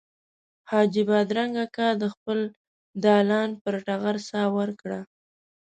حاجي بادرنګ اکا د خپل دالان پر ټغر ساه ورکړه.